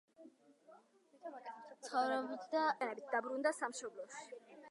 ცხოვრობდა ემიგრაციაში, მოგვიანებით დაბრუნდა სამშობლოში.